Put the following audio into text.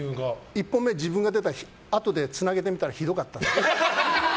１本目、自分が出たあとつなげてみたら、ひどかった。